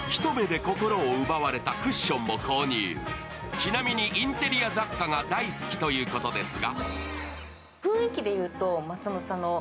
ちなみにインテリア雑貨が大好きということですが？